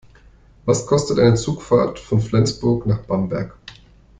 Was kostet eine Zugfahrt von Flensburg nach Bamberg?